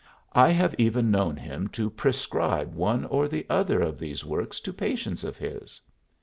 I have even known him to prescribe one or the other of these works to patients of his.